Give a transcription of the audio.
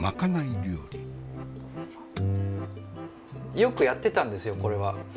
よくやってたんですよこれは。